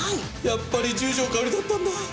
やっぱり十条かおりだったんだ。